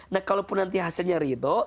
nah kalau pun nanti hasilnya ridho